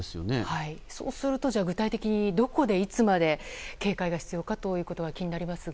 そうすると具体的にどこで、いつまで警戒が必要かということが気になりますが。